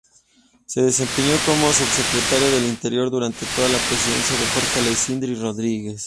Se desempeñó como subsecretario del Interior durante toda la presidencia de Jorge Alessandri Rodríguez.